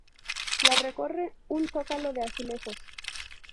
La recorre un zócalo de azulejos.